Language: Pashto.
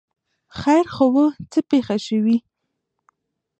ـ خیر خو وو، څه پېښه شوې؟